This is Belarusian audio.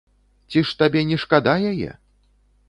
Ці ж табе не шкада яе?